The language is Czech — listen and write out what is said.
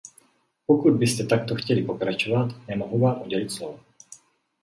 Pokud byste takto chtěli pokračovat, nemohu vám udělit slovo.